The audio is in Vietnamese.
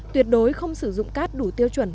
tuyệt đối không sử dụng cát đủ tiêu chuẩn